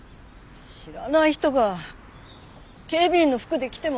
知らない人が警備員の服で来ても信用できない！